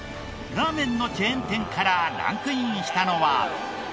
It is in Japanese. ラーメンのチェーン店からランクインしたのは。